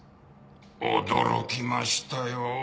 驚きましたよ。